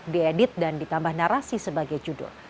diedit dan ditambah narasi sebagai judul